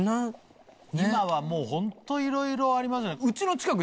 今はもうホントいろいろありますよね。